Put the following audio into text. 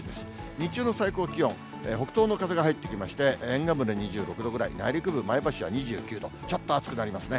日中の最高気温、北東の風が入ってきまして、沿岸部で２６度くらい、内陸部、前橋は２９度、ちょっと暑くなりますね。